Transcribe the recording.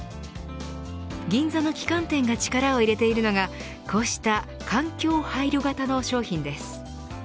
銀座の旗艦店が力を入れているのがこうした、環境配慮型の商品です。